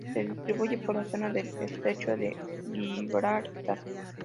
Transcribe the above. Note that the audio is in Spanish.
Se distribuye por la zona del estrecho de Gibraltar.